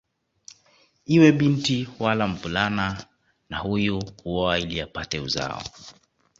Iwe binti wala mvulana na huyu huoa ili apate uzao